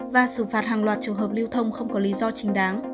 và xử phạt hàng loạt trường hợp lưu thông không có lý do chính đáng